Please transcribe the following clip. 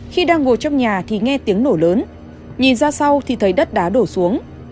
khi đang ngồi trong nhà thì nghe tiếng nổ lớn nhìn ra sau thì thấy đất đá đổ xuống